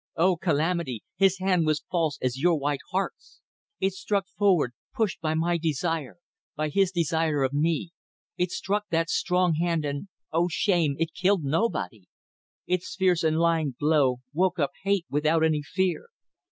O calamity! His hand was false as your white hearts. It struck forward, pushed by my desire by his desire of me. ... It struck that strong hand, and O shame! it killed nobody! Its fierce and lying blow woke up hate without any fear.